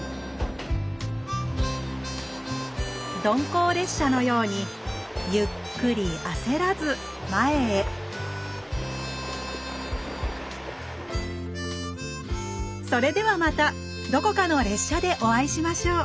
鈍行列車のように「ゆっくりあせらず」前へそれではまたどこかの列車でお会いしましょう